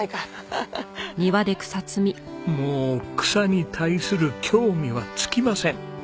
もう草に対する興味は尽きません。